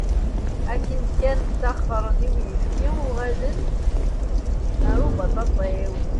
Akken kan taxṛen i uyefki, uɣalen ar ubaṭaṭiw.